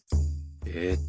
えっと